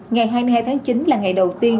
ngày hai mươi hai tháng chín là ngày đầu tiên